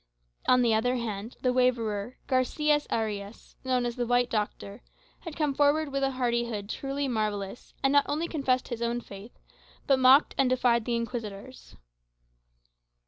On the other hand, the waverer, Garçias Ariâs, known as the "White Doctor," had come forward with a hardihood truly marvellous, and not only confessed his own faith, but mocked and defied the Inquisitors.